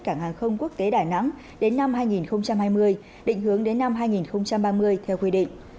cảng hàng không quốc tế đà nẵng đến năm hai nghìn hai mươi định hướng đến năm hai nghìn ba mươi theo quy định